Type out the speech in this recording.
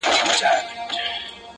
اوس چي زه ليري بل وطن كي يمه”